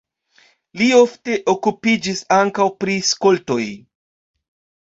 Li ofte okupiĝis ankaŭ pri skoltoj.